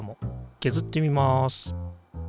けずってみます。